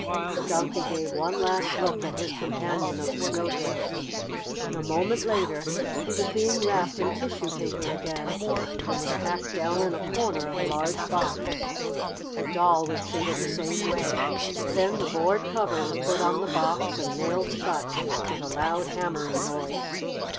The Donkey gave one last look at his companion of the snowdrift, and a moment later he was being wrapped in tissue paper again, and was packed down in a corner of a large box. The doll was treated the same way. Then the board cover was put on the box, and nailed shut with a loud hammering noise.